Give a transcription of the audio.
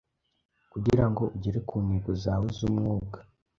kugirango ugere ku ntego zawe zumwuga